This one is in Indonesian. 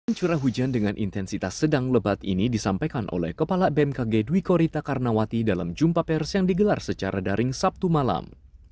curah hujan dengan intensitas sedang lebat ini disampaikan oleh kepala bmkg dwi korita karnawati dalam jumpa pers yang digelar secara daring sabtu malam